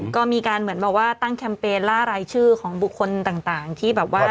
ก็มีการเหมือนแบบว่าตั้งแคมเปญล่ารายชื่อของบุคคลต่างที่แบบว่า